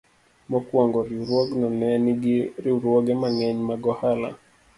Mokwongo, riwruogno ne nigi riwruoge mang'eny mag ohala.